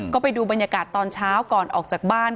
ก็ไปดูบรรยากาศตอนเช้าก่อนออกจากบ้าน